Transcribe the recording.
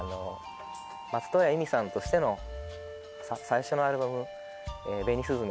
松任谷由実さんとしての最初のアルバム『紅雀』に入ってる。